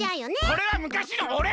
それはむかしのおれ！